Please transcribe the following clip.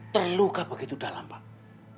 terluka begitu dalam hati